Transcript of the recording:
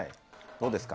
どうですか？